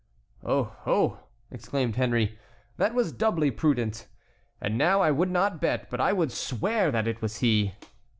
"Oh! oh!" exclaimed Henry, "that was doubly prudent. And now I would not bet, but I would swear, that it was he."